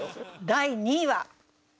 第２位は。